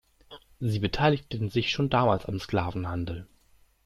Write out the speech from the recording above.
Sie beteiligten sich schon damals am Sklavenhandel.